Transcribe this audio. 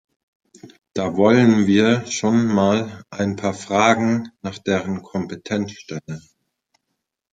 Da wollen wir schon mal ein paar Fragen nach deren Kompetenz stellen.